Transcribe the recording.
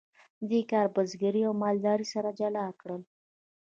دې کار بزګري او مالداري سره جلا کړل.